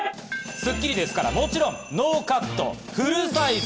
『スッキリ』ですから、もちろんノーカット、フルサイズ。